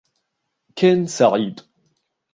كين سعيد.